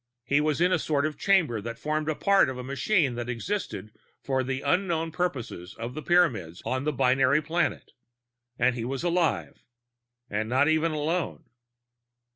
He was in a sort of chamber that formed a part of a machine that existed for the unknown purposes of the Pyramids on the binary planet. And he was alive and not even alone.